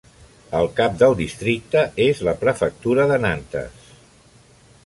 El cap del districte és la prefectura de Nantes.